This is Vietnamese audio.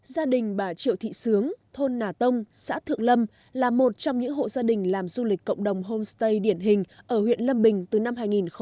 gia đình bà triệu thị sướng thôn nà tông xã thượng lâm là một trong những hộ gia đình làm du lịch cộng đồng homestay điển hình ở huyện lâm bình từ năm hai nghìn một mươi